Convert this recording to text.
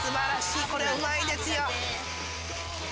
これはうまいですよ。